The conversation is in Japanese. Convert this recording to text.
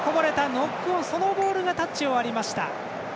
ノックオン、そのボールがタッチを割りました。